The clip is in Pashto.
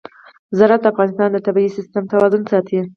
زراعت د افغانستان د طبعي سیسټم توازن ساتي.